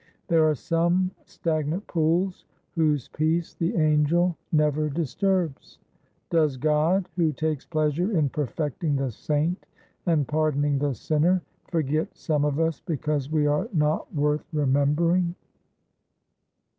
There are some stagnant pools whose peace the Angel never disturbs. Does GOD, who takes pleasure in perfecting the saint and pardoning the sinner, forget some of us because we are not worth remembering?"